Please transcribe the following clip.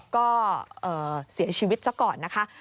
ก็เสียชีวิตซะก่อนนะคะ